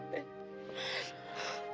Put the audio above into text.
lo jahat ben